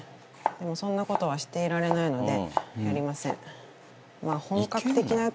でもそんな事はしていられないのでやりません。